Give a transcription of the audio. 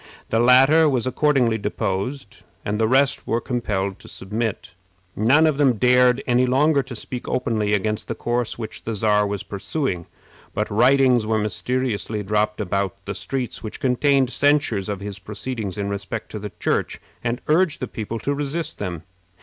The latter was accordingly deposed, and the rest were compelled to submit. None of them dared any longer to speak openly against the course which the Czar was pursuing, but writings were mysteriously dropped about the streets which contained censures of his proceedings in respect to the Church, and urged the people to resist them.